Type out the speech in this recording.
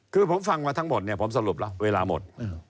คือผมฟังมาทั้งหมดเนี่ยผมสรุปแล้วเวลาหมด